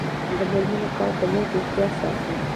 د میرمنو کار د مور روغتیا ساتي.